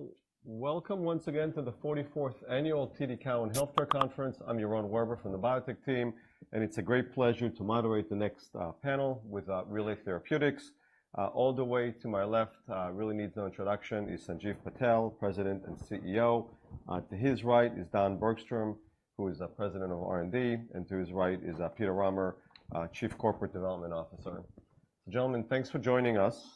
All right, well, welcome once again to the 44th Annual TD Cowen Health Care Conference. I'm Yaron Werber from the biotech team, and it's a great pleasure to moderate the next panel with Relay Therapeutics. All the way to my left, really needs no introduction, is Sanjiv Patel, President and CEO. To his right is Don Bergstrom, who is President of R&D, and to his right is Peter Rahmer, Chief Corporate Development Officer. So, gentlemen, thanks for joining us.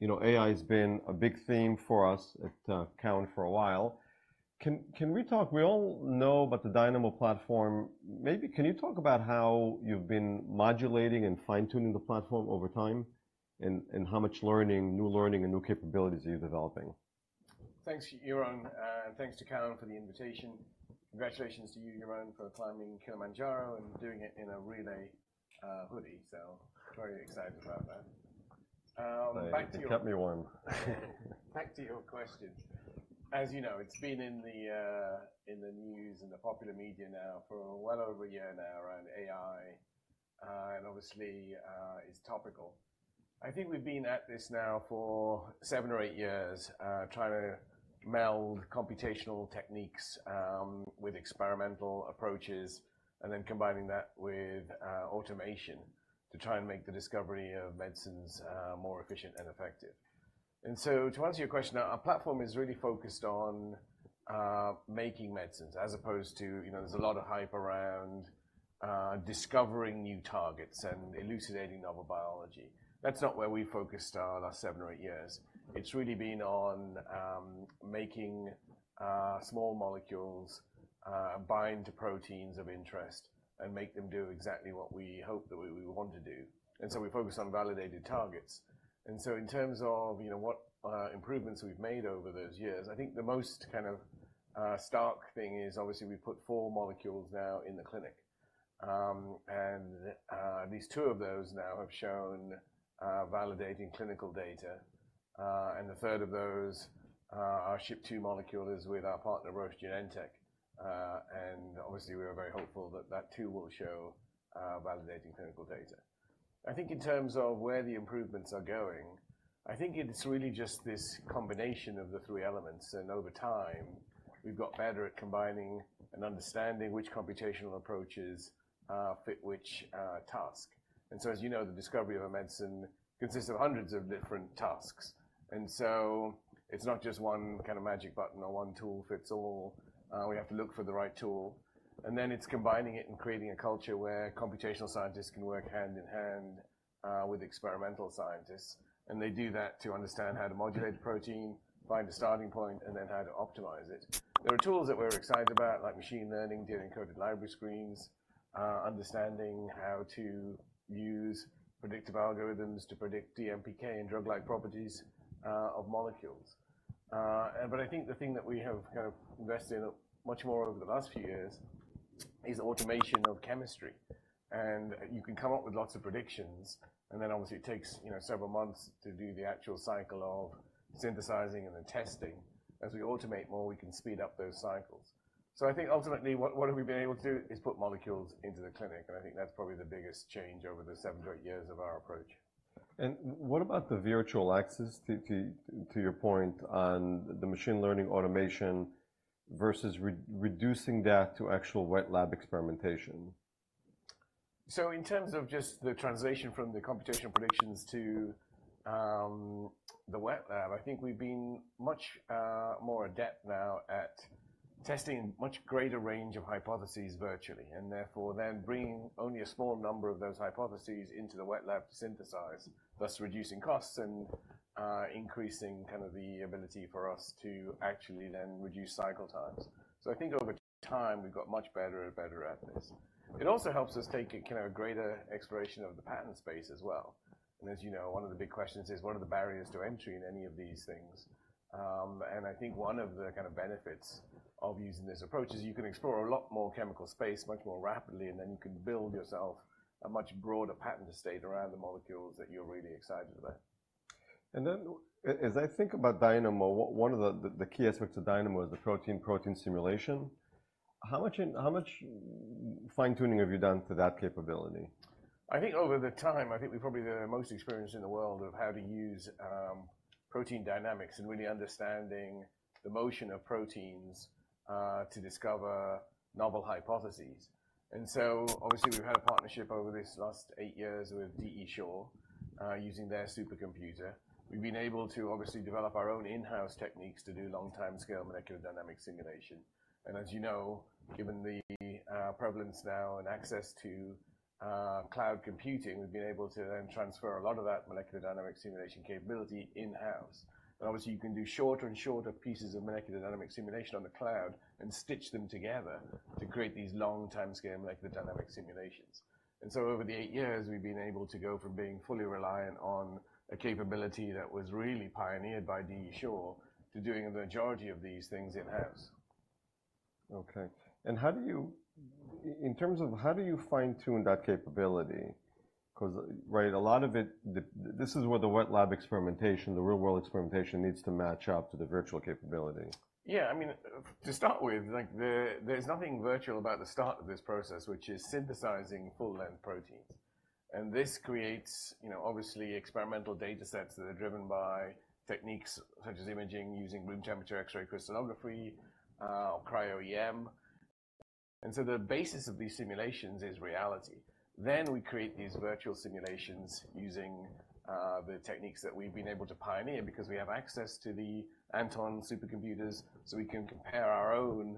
You know, AI has been a big theme for us at TD Cowen for a while. Can, can we talk? We all know about the Dynamo platform. Maybe can you talk about how you've been modulating and fine-tuning the platform over time, and how much learning, new learning, and new capabilities are you developing? Thanks, Yaron. And thanks to Cowen for the invitation. Congratulations to you, Yaron, for climbing Kilimanjaro and doing it in a Relay hoodie, so very excited about that. Back to your. Thanks. It kept me warm. Back to your question. As you know, it's been in the, in the news and the popular media now for well over a year now around AI, and obviously, is topical. I think we've been at this now for seven or eight years, trying to meld computational techniques, with experimental approaches, and then combining that with, automation to try and make the discovery of medicines, more efficient and effective. And so to answer your question, our platform is really focused on, making medicines as opposed to, you know, there's a lot of hype around, discovering new targets and elucidating novel biology. That's not where we focused on our seven or eight years. It's really been on, making, small molecules, bind to proteins of interest and make them do exactly what we hope that we, we want to do. And so we focus on validated targets. So in terms of, you know, what improvements we've made over those years, I think the most kind of stark thing is obviously we've put four molecules now in the clinic. At least two of those now have shown validating clinical data. And the third of those, our SHP2 molecule, is with our partner, Roche/Genentech. And obviously we are very hopeful that that too will show validating clinical data. I think in terms of where the improvements are going, I think it's really just this combination of the three elements. And over time, we've got better at combining and understanding which computational approaches fit which task. And so as you know, the discovery of a medicine consists of hundreds of different tasks. And so it's not just one kind of magic button or one tool fits all. We have to look for the right tool. Then it's combining it and creating a culture where computational scientists can work hand in hand with experimental scientists. They do that to understand how to modulate a protein, find a starting point, and then how to optimize it. There are tools that we're excited about, like machine learning, dealing with encoded library screens, understanding how to use predictive algorithms to predict DMPK and drug-like properties of molecules. But I think the thing that we have kind of invested in much more over the last few years is automation of chemistry. You can come up with lots of predictions, and then obviously it takes, you know, several months to do the actual cycle of synthesizing and then testing. As we automate more, we can speed up those cycles. So I think ultimately what, what have we been able to do is put molecules into the clinic. I think that's probably the biggest change over the seven to eight years of our approach. What about the virtual access to your point on the machine learning automation versus reducing that to actual wet lab experimentation? So in terms of just the translation from the computational predictions to the wet lab, I think we've been much more adept now at testing a much greater range of hypotheses virtually, and therefore then bringing only a small number of those hypotheses into the wet lab to synthesize, thus reducing costs and increasing kind of the ability for us to actually then reduce cycle times. So I think over time we've got much better and better at this. It also helps us take a kind of a greater exploration of the patent space as well. And as you know, one of the big questions is what are the barriers to entry in any of these things? I think one of the kind of benefits of using this approach is you can explore a lot more chemical space much more rapidly, and then you can build yourself a much broader patent estate around the molecules that you're really excited about. And then as I think about Dynamo, one of the key aspects of Dynamo is the protein-protein simulation. How much fine-tuning have you done to that capability? I think over time, I think we're probably the most experienced in the world of how to use protein dynamics and really understanding the motion of proteins to discover novel hypotheses. And so obviously we've had a partnership over these last eight years with DE Shaw, using their supercomputer. We've been able to obviously develop our own in-house techniques to do long-time scale molecular dynamics simulation. And as you know, given the prevalence now and access to cloud computing, we've been able to then transfer a lot of that molecular dynamics simulation capability in-house. And obviously you can do shorter and shorter pieces of molecular dynamics simulation on the cloud and stitch them together to create these long-time scale molecular dynamics simulations. And so over the eight years, we've been able to go from being fully reliant on a capability that was really pioneered by DE Shaw to doing the majority of these things in-house. Okay. And how do you in terms of how do you fine-tune that capability? 'Cause, right, a lot of it this is where the wet lab experimentation, the real-world experimentation, needs to match up to the virtual capability. Yeah. I mean, to start with, like, there's nothing virtual about the start of this process, which is synthesizing full-length proteins. And this creates, you know, obviously experimental data sets that are driven by techniques such as imaging using room temperature X-ray crystallography, or cryo-EM. And so the basis of these simulations is reality. Then we create these virtual simulations using, the techniques that we've been able to pioneer because we have access to the Anton supercomputers, so we can compare our own,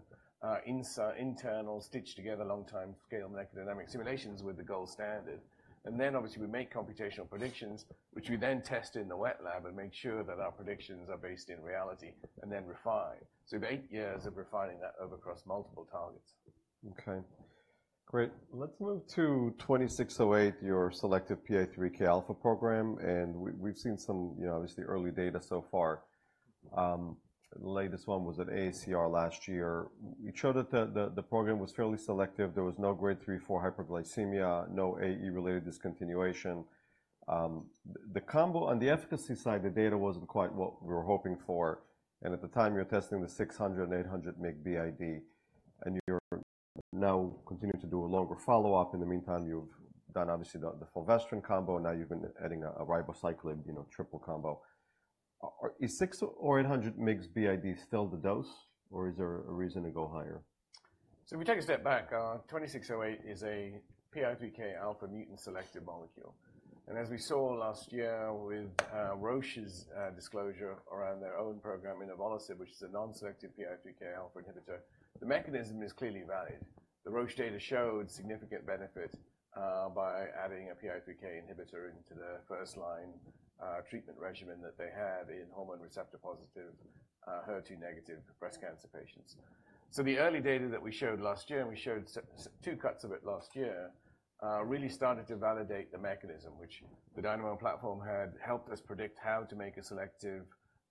internal stitched-together long-time scale molecular dynamic simulations with the gold standard. And then obviously we make computational predictions, which we then test in the wet lab and make sure that our predictions are based in reality and then refine. So we've had eight years of refining that over across multiple targets. Okay. Great. Let's move to, your selective PI3Kɑ program. And we've seen some, you know, obviously early data so far. The latest one was at AACR last year. It showed that the, the program was fairly selective. There was no grade three, four hyperglycemia, no AE-related discontinuation. The combo on the efficacy side, the data wasn't quite what we were hoping for. And at the time you were testing the 600 mg and 800 mg BID, and you're now continuing to do a longer follow-up. In the meantime, you've done obviously the fulvestrant combo, and now you've been adding a ribociclib, you know, triple combo. Is 600 mg or 800 mg BID still the dose, or is there a reason to go higher? So if we take a step back, 2608 is a PI3Kɑ mutant selective molecule. And as we saw last year with Roche's disclosure around their own program in inavolisib, which is a non-selective PI3Kɑ inhibitor, the mechanism is clearly valid. The Roche data showed significant benefit by adding a PI3K inhibitor into the first-line treatment regimen that they had in hormone receptor-positive, HER2- breast cancer patients. So the early data that we showed last year, and we showed two cuts of it last year, really started to validate the mechanism, which the Dynamo platform had helped us predict how to make a selective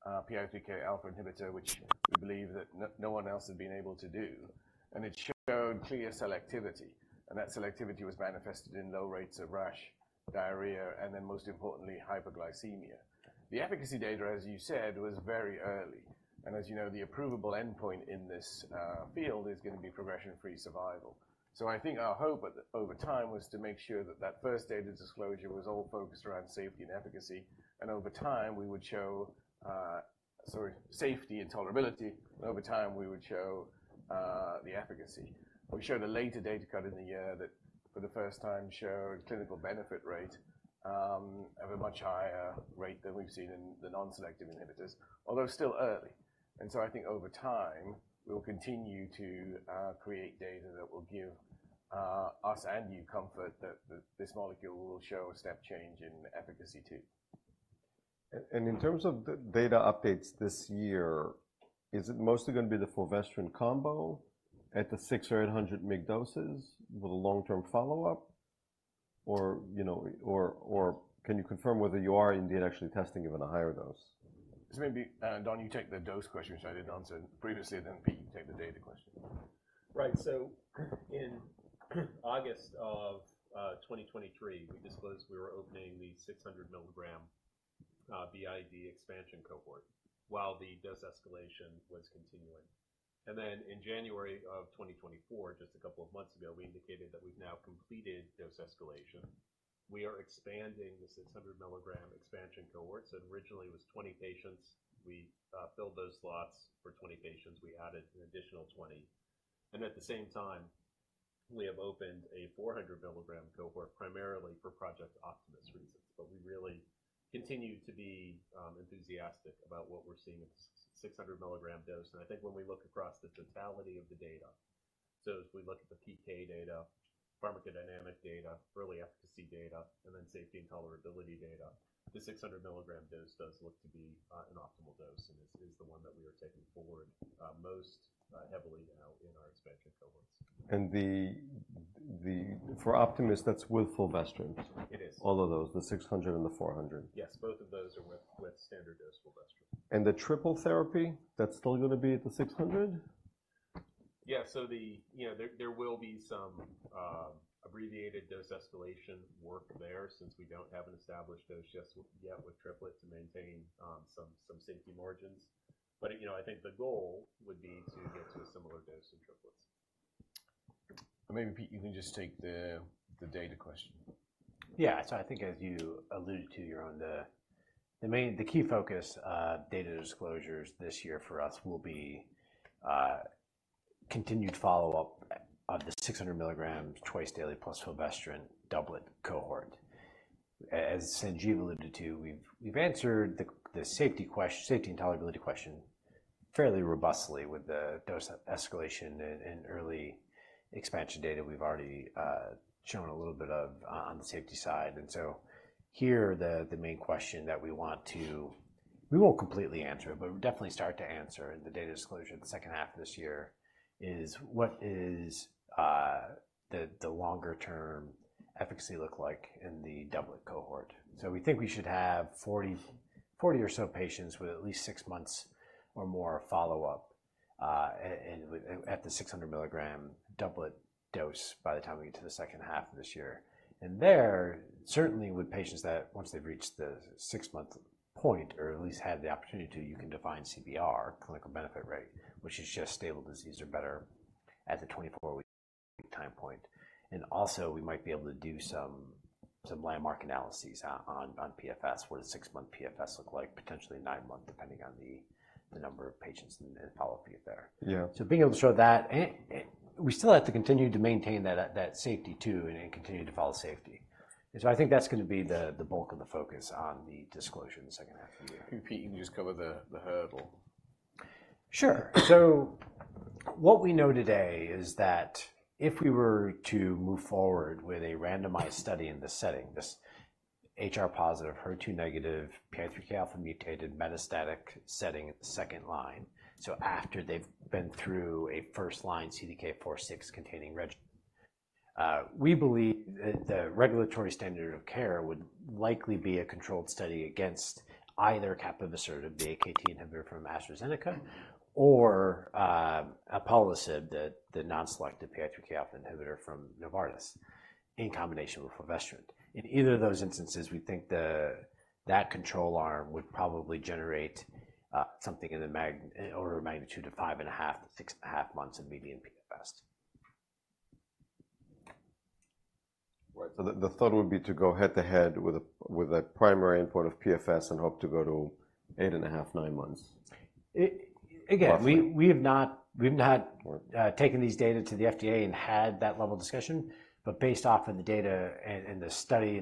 PI3Kɑ inhibitor, which we believe that no one else had been able to do. And it showed clear selectivity. And that selectivity was manifested in low rates of rash, diarrhea, and then most importantly, hyperglycemia. The efficacy data, as you said, was very early. And as you know, the approvable endpoint in this field is gonna be progression-free survival. So I think our hope over time was to make sure that that first data disclosure was all focused around safety and efficacy. And over time, we would show, sorry, safety and tolerability. And over time, we would show the efficacy. We showed a later data cut in the year that for the first time showed clinical benefit rate of a much higher rate than we've seen in the non-selective inhibitors, although still early. And so I think over time we'll continue to create data that will give us and you comfort that that this molecule will show a step change in efficacy too. And in terms of the data updates this year, is it mostly gonna be the fulvestrant combo at the 600 mg or 800 mg doses with a long-term follow-up, or, you know, or, or can you confirm whether you are indeed actually testing even a higher dose? So maybe, Don, you take the dose question, which I didn't answer previously, and then Pete, you take the data question. Right. So in August 2023, we disclosed we were opening the 600 mg BID expansion cohort while the dose escalation was continuing. And then in January 2024, just a couple of months ago, we indicated that we've now completed dose escalation. We are expanding the 600 mg expansion cohort. So it originally was 20 patients. We filled those slots for 20 patients. We added an additional 20. And at the same time, we have opened a 400 mg cohort primarily for Project Optimus reasons. But we really continue to be enthusiastic about what we're seeing at the 600 mg dose. I think when we look across the totality of the data, so if we look at the PK data, pharmacodynamic data, early efficacy data, and then safety and tolerability data, the 600 mg dose does look to be an optimal dose and is the one that we are taking forward most heavily now in our expansion cohorts. For Optimus, that's with fulvestrant? It is. All of those, the 600 and the 400? Yes. Both of those are with standard dose fulvestrant. The triple therapy, that's still gonna be at the 600? Yeah. So the, you know, there will be some abbreviated dose escalation work there since we don't have an established dose yet with triplets to maintain some safety margins. But, you know, I think the goal would be to get to a similar dose in triplets. Maybe, Pete, you can just take the data question. Yeah. So I think as you alluded to, you're on the main key focus data disclosures this year for us will be continued follow-up of the 600 mg twice daily plus fulvestrant doublet cohort. As Sanjiv alluded to, we've answered the safety and tolerability question fairly robustly with the dose escalation and early expansion data. We've already shown a little bit on the safety side. And so here the main question that we want to—we won't completely answer it, but we'll definitely start to answer in the data disclosure the second half of this year—is what the longer-term efficacy look like in the doublet cohort? So we think we should have 40 or so patients with at least six months or more follow-up, and with at the 600 mg doublet dose by the time we get to the second half of this year. And there certainly with patients that once they've reached the six-month point or at least had the opportunity to, you can define CBR, clinical benefit rate, which is just stable disease or better at the 24-week time point. And also we might be able to do some landmark analyses on PFS. What does six-month PFS look like? Potentially nine-month depending on the number of patients and follow-up data there. Yeah. So being able to show that, and we still have to continue to maintain that safety too and continue to follow safety. And so I think that's gonna be the bulk of the focus on the disclosure in the second half of the year. Pete, you can just cover the hurdle. Sure. So what we know today is that if we were to move forward with a randomized study in this setting, this HR+, HER2-, PI3Kɑ mutated metastatic setting at the second line—so after they've been through a first-line CDK4/6 containing regimen—we believe that the regulatory standard of care would likely be a controlled study against either capivasertib, the AKT inhibitor from AstraZeneca, or alpelisib, the non-selective PI3Kɑ inhibitor from Novartis in combination with fulvestrant. In either of those instances, we think that control arm would probably generate something in the order of magnitude of 5.5-6.5 months of median PFS. Right. So the thought would be to go head-to-head with a primary endpoint of PFS and hope to go to 8.5-9 months? Again, we have not taken these data to the FDA and had that level of discussion. But based off of the data and the study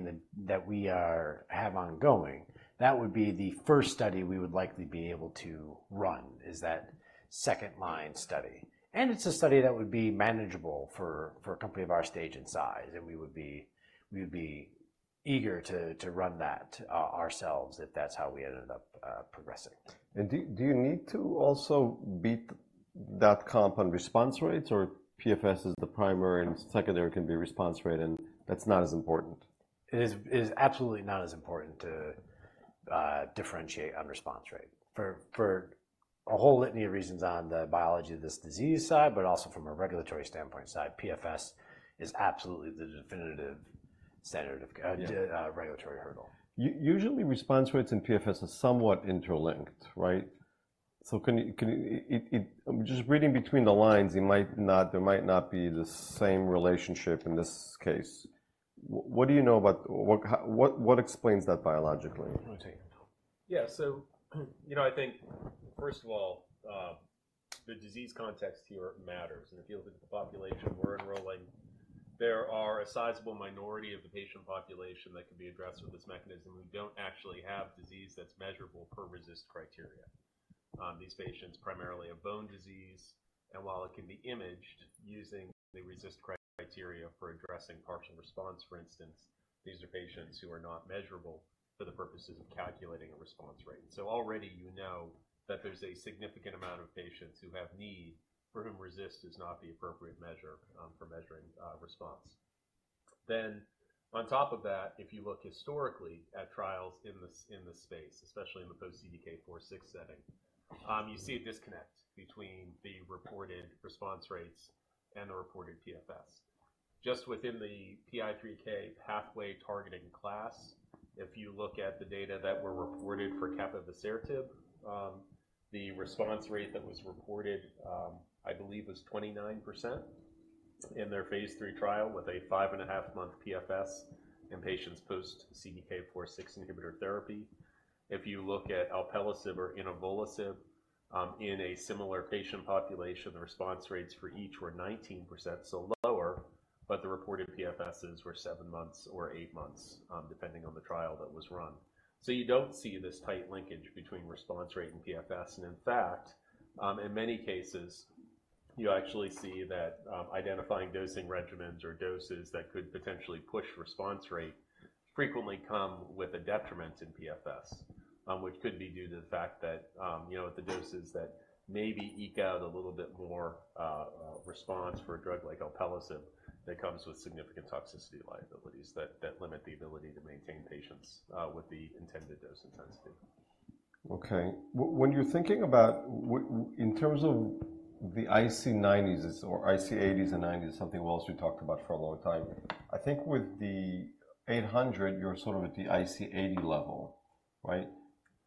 that we have ongoing, that would be the first study we would likely be able to run, is that second-line study. And it's a study that would be manageable for a company of our stage and size. And we would be eager to run that ourselves if that's how we ended up progressing. Do you need to also beat that comp on response rates, or PFS is the primary and secondary can be response rate, and that's not as important? It is absolutely not as important to differentiate on response rate. For a whole litany of reasons on the biology of this disease, but also from a regulatory standpoint, PFS is absolutely the definitive standard of care regulatory hurdle. Usually response rates and PFS are somewhat interlinked, right? So can you it. I'm just reading between the lines. It might not. There might not be the same relationship in this case. What do you know about what explains that biologically? Let me take a note. Yeah. So, you know, I think first of all, the disease context here matters. In the field of the population we're enrolling, there are a sizable minority of the patient population that can be addressed with this mechanism. We don't actually have disease that's measurable per RECIST criteria. These patients primarily have bone disease. And while it can be imaged using the RECIST criteria for addressing partial response, for instance, these are patients who are not measurable for the purposes of calculating a response rate. And so already you know that there's a significant amount of patients who have need for whom RECIST is not the appropriate measure for measuring response. Then on top of that, if you look historically at trials in this in this space, especially in the post-CDK4/6 setting, you see a disconnect between the reported response rates and the reported PFS. Just within the PI3K pathway targeting class, if you look at the data that were reported for capivasertib, the response rate that was reported, I believe was 29% in their phase III trial with a 5.5-month PFS in patients post-CDK4/6 inhibitor therapy. If you look at alpelisib or inavolisib, in a similar patient population, the response rates for each were 19%, so lower, but the reported PFSs were seven months or eight months, depending on the trial that was run. So you don't see this tight linkage between response rate and PFS. In fact, in many cases, you actually see that, identifying dosing regimens or doses that could potentially push response rate frequently come with a detriment in PFS, which could be due to the fact that, you know, the doses that maybe eke out a little bit more response for a drug like alpelisib that comes with significant toxicity liabilities that limit the ability to maintain patients with the intended dose intensity. Okay. When you're thinking about in terms of the IC90s or IC80s and IC90s, something Wall Street talked about for a long time, I think with the 800, you're sort of at the IC80 level, right?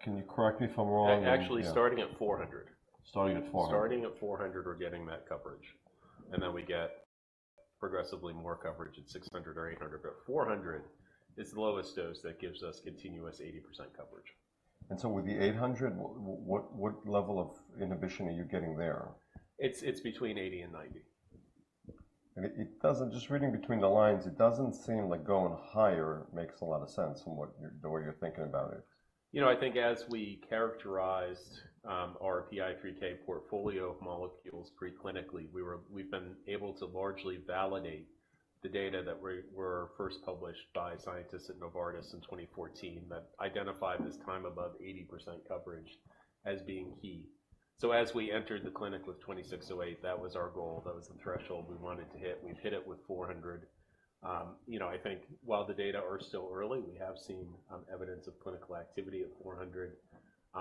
Can you correct me if I'm wrong? Actually starting at 400. Starting at 400. Starting at 400, we're getting that coverage. And then we get progressively more coverage at 600 or 800. But 400 is the lowest dose that gives us continuous 80% coverage. With the 800, what level of inhibition are you getting there? It's between 80 and 90. It doesn't seem like, just reading between the lines, going higher makes a lot of sense from the way you're thinking about it. You know, I think as we characterized our PI3K portfolio of molecules preclinically, we've been able to largely validate the data that were first published by scientists at Novartis in 2014 that identified this time above 80% coverage as being key. So as we entered the clinic with 2608, that was our goal. That was the threshold we wanted to hit. We've hit it with 400. You know, I think while the data are still early, we have seen evidence of clinical activity at 400.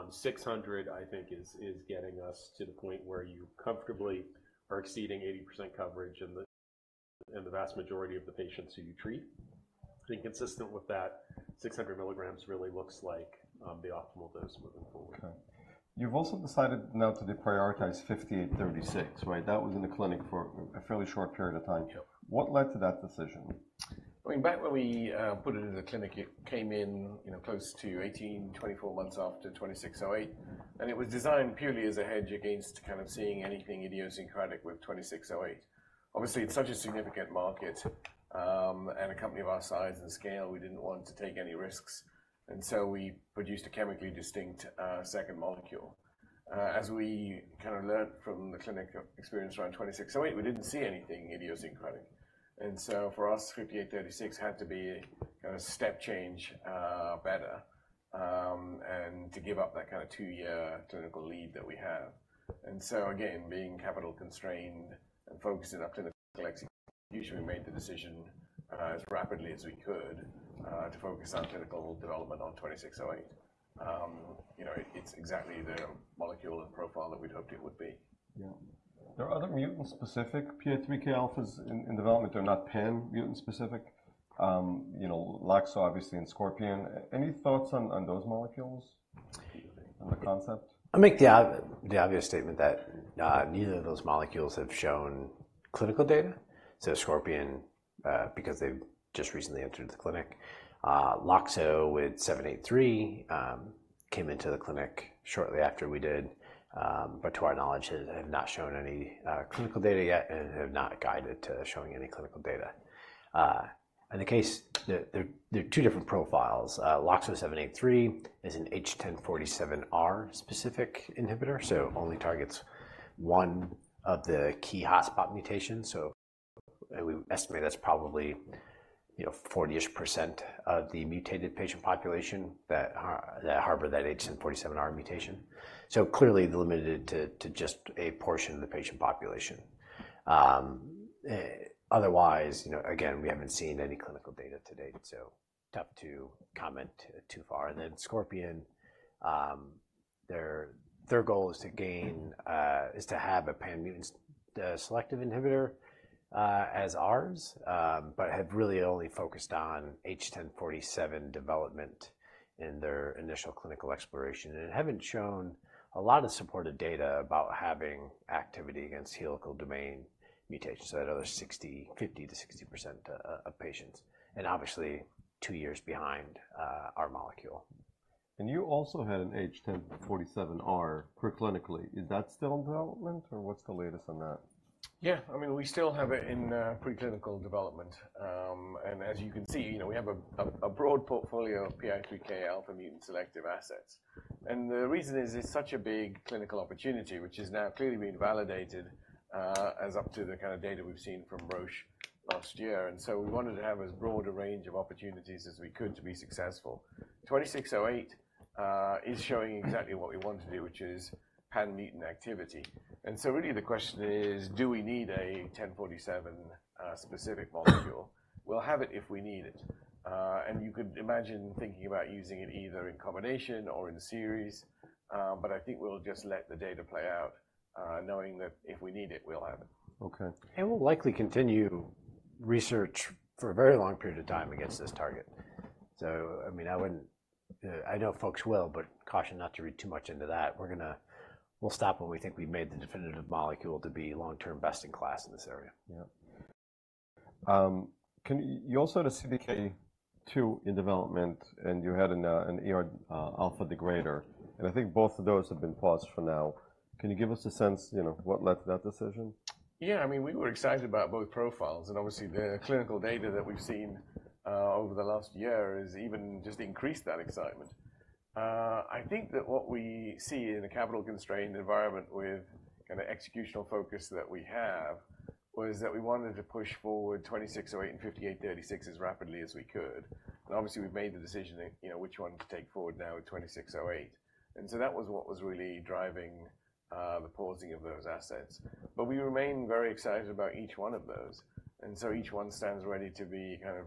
600, I think, is getting us to the point where you comfortably are exceeding 80% coverage in the vast majority of the patients who you treat. I think consistent with that, 600 mg really looks like the optimal dose moving forward. Okay. You've also decided now to deprioritize 5836, right? That was in the clinic for a fairly short period of time. Yep. What led to that decision? I mean, back when we put it in the clinic, it came in, you know, close to 18-24 months after 2608. And it was designed purely as a hedge against kind of seeing anything idiosyncratic with 2608. Obviously, it's such a significant market, and a company of our size and scale, we didn't want to take any risks. And so we produced a chemically distinct, second molecule. As we kind of learned from the clinic experience around 2608, we didn't see anything idiosyncratic. And so for us, 5836 had to be a kind of step change, better, and to give up that kind of two-year clinical lead that we have. And so again, being capital constrained and focused enough clinical execution, we made the decision, as rapidly as we could, to focus on clinical development on 2608. You know, it's exactly the molecule and profile that we'd hoped it would be. Yeah. There are other mutant-specific PI3Kɑs in development. They're not pan-mutant-specific. You know, Loxo obviously and Scorpion. Any thoughts on those molecules? On the concept? I'll make the obvious statement that neither of those molecules have shown clinical data. So Scorpion, because they've just recently entered the clinic. Loxo with 783 came into the clinic shortly after we did, but to our knowledge, have not shown any clinical data yet and have not guided to showing any clinical data. In the case, there are two different profiles. Loxo 783 is an H1047R-specific inhibitor, so only targets one of the key hotspot mutations. So, and we estimate that's probably, you know, 40%-ish of the mutated patient population that harbor that H1047R mutation. So clearly limited to just a portion of the patient population. Otherwise, you know, again, we haven't seen any clinical data to date. So tough to comment too far. And then Scorpion, their goal is to have a pan-mutant selective inhibitor, as ours, but have really only focused on H1047 development in their initial clinical exploration. And it haven't shown a lot of supportive data about having activity against helical domain mutations. So that 60%, 50%-60% of patients. And obviously two years behind our molecule. You also had an H1047R preclinically. Is that still in development, or what's the latest on that? Yeah. I mean, we still have it in preclinical development. And as you can see, you know, we have a broad portfolio of PI3Kɑ mutant selective assets. And the reason is it's such a big clinical opportunity, which is now clearly being validated, as up to the kind of data we've seen from Roche last year. And so we wanted to have as broad a range of opportunities as we could to be successful. 2608 is showing exactly what we want to do, which is pan-mutant activity. And so really the question is, do we need a 1047 specific molecule? We'll have it if we need it. And you could imagine thinking about using it either in combination or in series. But I think we'll just let the data play out, knowing that if we need it, we'll have it. Okay. We'll likely continue research for a very long period of time against this target. So, I mean, I wouldn't. I know folks will, but caution not to read too much into that. We're gonna. We'll stop when we think we've made the definitive molecule to be long-term best-in-class in this area. Yeah. Can you also had a CDK2 in development, and you had an alpha degrader. And I think both of those have been paused for now. Can you give us a sense, you know, what led to that decision? Yeah. I mean, we were excited about both profiles. Obviously, the clinical data that we've seen over the last year has even just increased that excitement. I think that what we see in a capital-constrained environment with kind of executional focus that we have was that we wanted to push forward 2608 and 5836 as rapidly as we could. Obviously, we've made the decision that, you know, which one to take forward now with 2608. So that was what was really driving the pausing of those assets. But we remain very excited about each one of those. So each one stands ready to be kind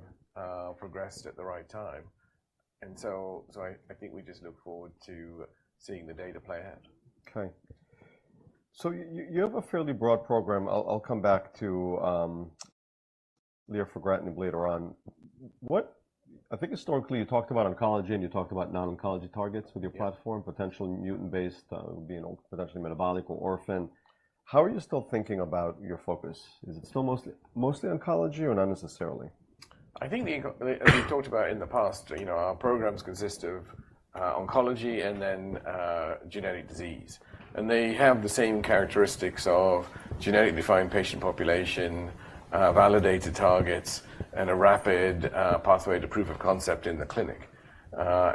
of progressed at the right time. So I think we just look forward to seeing the data play out. Okay. So you have a fairly broad program. I'll come back to lirafugratinib later on. What I think historically you talked about oncology. And you talked about non-oncology targets with your platform, potential mutant-based, being potentially metabolic or orphan. How are you still thinking about your focus? Is it still mostly oncology or not necessarily? I think the oncology as we've talked about in the past, you know, our programs consist of, oncology and then, genetic disease. And they have the same characteristics of genetically defined patient population, validated targets, and a rapid, pathway to proof of concept in the clinic.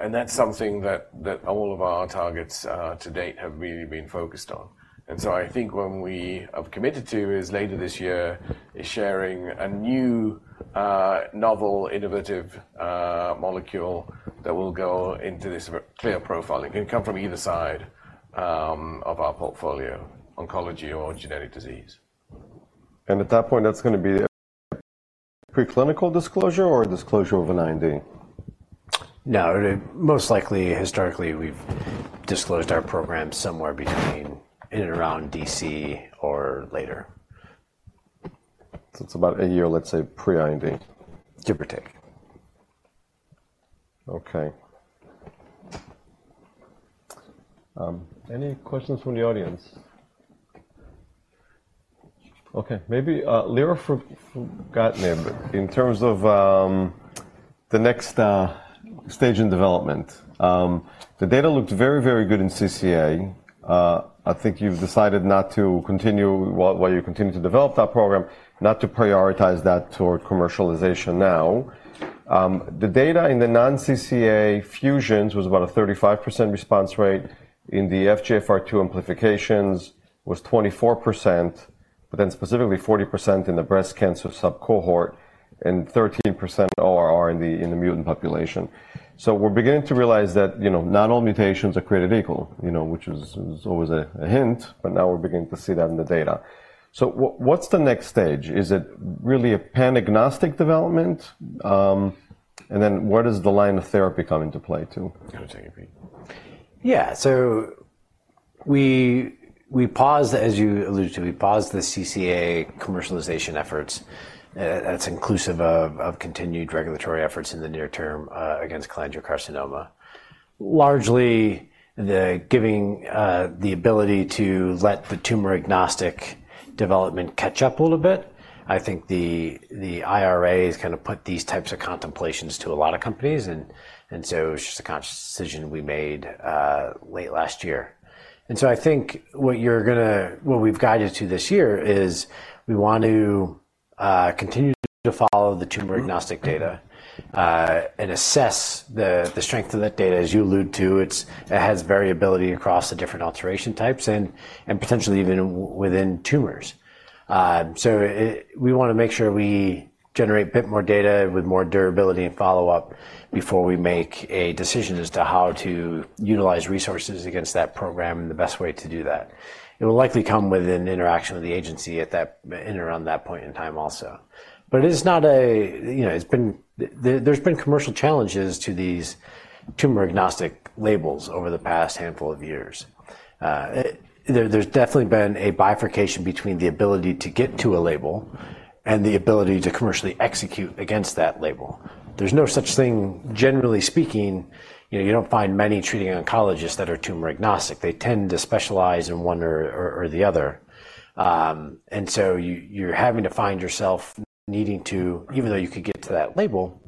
And that's something that, that all of our targets, to date have really been focused on. And so I think when we have committed to is later this year is sharing a new, novel, innovative, molecule that will go into this clear profile. It can come from either side, of our portfolio, oncology or genetic disease. At that point, that's gonna be a preclinical disclosure or a disclosure of an IND? No. Most likely, historically, we've disclosed our program somewhere between in and around DC or later. It's about a year, let's say, pre-IND? Give or take. Okay. Any questions from the audience? Okay. Maybe, lirafugratinib. In terms of the next stage in development, the data looked very, very good in CCA. I think you've decided not to continue while you continue to develop that program, not to prioritize that toward commercialization now. The data in the non-CCA fusions was about a 35% response rate. In the FGFR2 amplifications, was 24%, but then specifically 40% in the breast cancer sub cohort and 13% ORR in the mutant population. So we're beginning to realize that, you know, not all mutations are created equal, you know, which was always a hint. But now we're beginning to see that in the data. So what's the next stage? Is it really a pan-agnostic development? And then where does the line of therapy come into play too? Can I take a peek? Yeah. So we paused as you alluded to. We paused the CCA commercialization efforts at its inclusive of continued regulatory efforts in the near term against cholangiocarcinoma. Largely given the ability to let the tumor-agnostic development catch up a little bit. I think the IRA kind of put these types of contemplations to a lot of companies. And so it's just a conscious decision we made late last year. And so I think what we've guided to this year is we want to continue to follow the tumor-agnostic data and assess the strength of that data. As you alluded to, it has variability across the different alteration types and potentially even within tumors. So we wanna make sure we generate a bit more data with more durability and follow-up before we make a decision as to how to utilize resources against that program and the best way to do that. It will likely come with an interaction with the agency at that or around that point in time also. But it is not a, you know, it's been, there's been commercial challenges to these tumor-agnostic labels over the past handful of years. There's definitely been a bifurcation between the ability to get to a label and the ability to commercially execute against that label. There's no such thing, generally speaking. You know, you don't find many treating oncologists that are tumor-agnostic. They tend to specialize in one or the other. And so you, you're having to find yourself needing to, even though you could get to that label,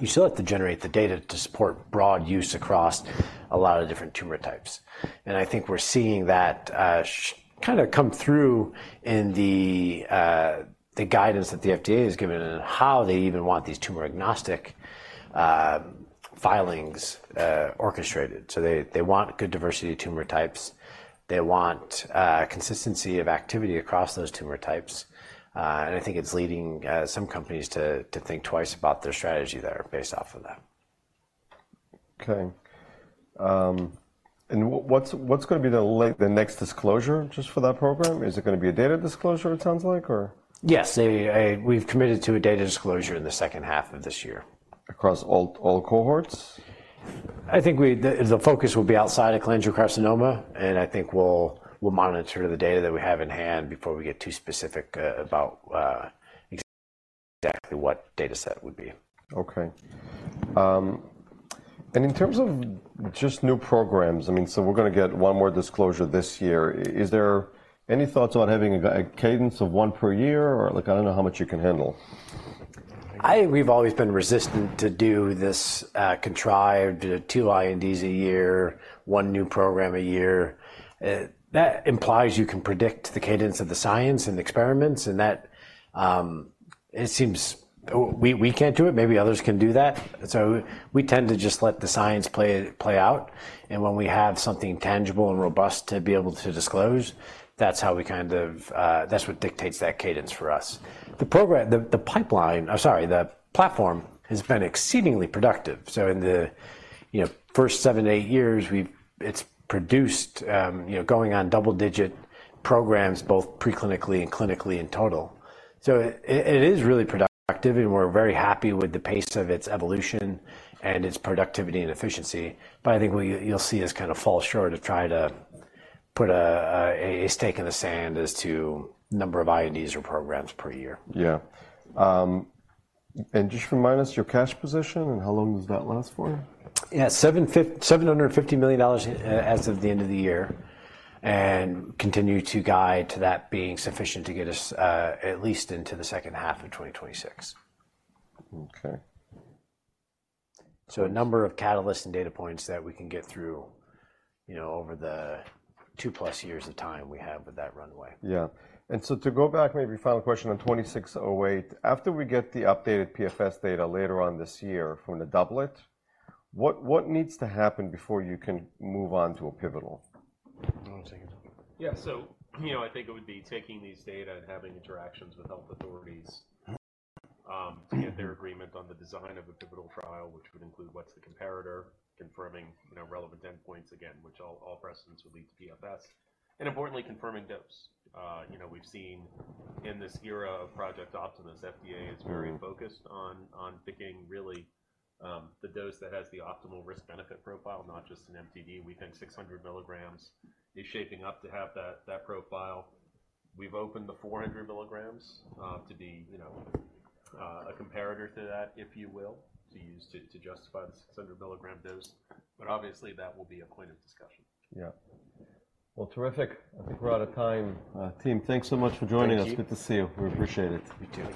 you still have to generate the data to support broad use across a lot of different tumor types. And I think we're seeing that, it's kind of coming through in the guidance that the FDA has given and how they even want these tumor-agnostic filings orchestrated. So they want good diversity of tumor types. They want consistency of activity across those tumor types. I think it's leading some companies to think twice about their strategy there based off of that. Okay. And what's gonna be the next disclosure just for that program? Is it gonna be a data disclosure, it sounds like, or? Yes. We've committed to a data disclosure in the second half of this year. Across all cohorts? I think the focus will be outside of cholangiocarcinoma. I think we'll monitor the data that we have in hand before we get too specific about exactly what dataset would be. Okay. In terms of just new programs, I mean, so we're gonna get one more disclosure this year. Is there any thoughts about having a cadence of one per year or, like, I don't know how much you can handle? We've always been resistant to do this contrived two INDs a year, one new program a year. That implies you can predict the cadence of the science and the experiments. And that, it seems, we can't do it. Maybe others can do that. So we tend to just let the science play out. And when we have something tangible and robust to be able to disclose, that's how we kind of, that's what dictates that cadence for us. The platform has been exceedingly productive. So in the, you know, first seven, eight years, we've, it's produced, you know, going on double-digit programs, both preclinically and clinically in total. So it is really productive. And we're very happy with the pace of its evolution and its productivity and efficiency. But I think you'll see us kind of fall short of trying to put a stake in the sand as to number of INDs or programs per year. Yeah. Just remind us your cash position and how long does that last for? Yeah. $750 million, as of the end of the year. And continue to guide to that being sufficient to get us, at least into the second half of 2026. Okay. A number of catalysts and data points that we can get through, you know, over the 2+ years of time we have with that runway. Yeah. And so to go back, maybe final question on 2608. After we get the updated PFS data later on this year from the doublet, what needs to happen before you can move on to a pivotal? One second. Yeah. So, you know, I think it would be taking these data and having interactions with health authorities, to get their agreement on the design of a pivotal trial, which would include what's the comparator, confirming, you know, relevant endpoints again, which all precedents would lead to PFS. And importantly, confirming dose. You know, we've seen in this era of Project Optimus, FDA is very focused on picking really the dose that has the optimal risk-benefit profile, not just an MTD. We think 600 mg is shaping up to have that profile. We've opened the 400 mg, to be, you know, a comparator to that, if you will, to use to justify the 600 mg dose. But obviously, that will be a point of discussion. Yeah. Well, terrific. I think we're out of time. Team, thanks so much for joining us. Good to see you. We appreciate it. You too.